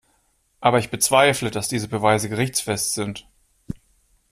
Aber ich bezweifle, dass diese Beweise gerichtsfest sind.